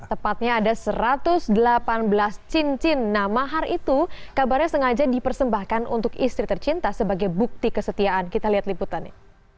tepatnya ada satu ratus delapan belas cincin nah mahar itu kabarnya sengaja dipersembahkan untuk istri tercinta sebagai bukti kesetiaan kita lihat liputannya